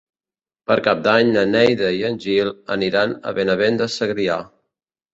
Per Cap d'Any na Neida i en Gil aniran a Benavent de Segrià.